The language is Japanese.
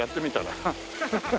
ハハハハ。